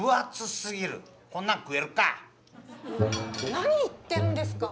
何言ってるんですか